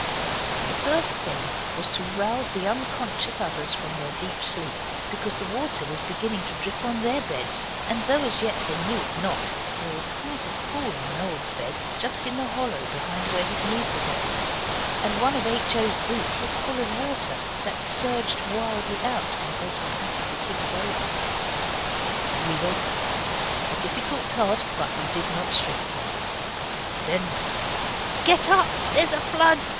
The first thing was to rouse the unconscious others from their deep sleep, because the water was beginning to drip on to their beds, and though as yet they knew it not, there was quite a pool on Noel's bed, just in the hollow behind where his knees were doubled up, and one of H. O.'s boots was full of water, that surged wildly out when Oswald happened to kick it over. We woke them a difficult task, but we did not shrink from it. Then we said, 'Get up, there is a flood!